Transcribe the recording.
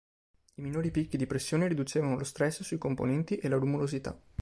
I minori picchi di pressione riducevano lo stress sui componenti e la rumorosità.